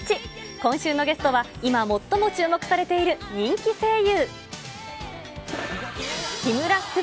今週のゲストは、今最も注目されている、人気声優。